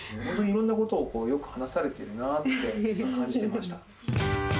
本当にいろんなことをよく話されているなって感じてました。